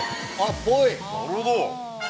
◆っぽい。